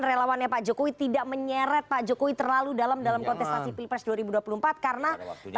relawannya pak jokowi tidak menyeret pak jokowi terlalu dalam dalam kontestasi pilpres dua ribu dua puluh empat karena